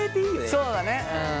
そうだね。